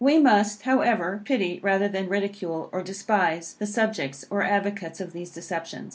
We must, however, pity, rather than ridicule, or despise, the subjects or advocates of these deceptions.